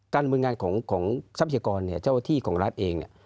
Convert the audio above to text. การบุญงานของทรัพยากรเจ้าที่ของรัฐเอง